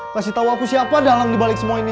kasih tahu aku siapa dalang dibalik semua ini